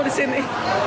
dari sini bu